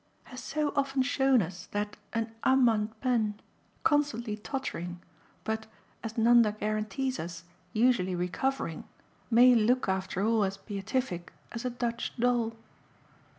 has so often shown us that an ame en peine, constantly tottering, but, as Nanda guarantees us, usually recovering, may look after all as beatific as a Dutch doll."